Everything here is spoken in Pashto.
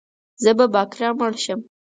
زه به باکره مړه شم